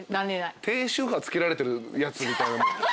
低周波付けられてるやつみたいな。